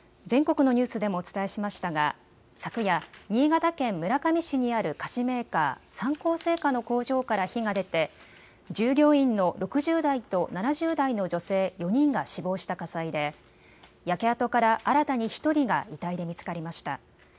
全国のニュースでもお伝えしましたが昨夜、新潟県村上市にある菓子メーカー、三幸製菓の工場から火が出て従業員の６０代と７０代の女性４人が死亡した火災で焼け跡から新たに１人が遺体で見つかりました。